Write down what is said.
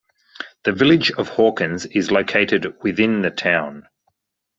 The Village of Hawkins is located within the town.